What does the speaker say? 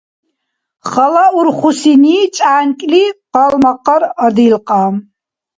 Халаурхусини чӀянкӀли къалмакъар адилкьа.